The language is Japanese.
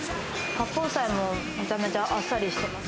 八宝菜もめちゃめちゃあっさりしてます。